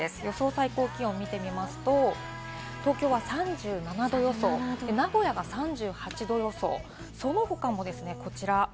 最高気温を見てみますと、東京は３７℃予想、名古屋が３８℃予想、その他もですね、こちら。